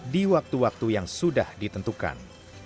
di waktu waktu yang sudah ditentukan